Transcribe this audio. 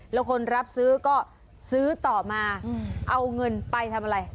แล้วคนรับซื้อก็ซื้อต่อมาเอาเงินไปทำอะไร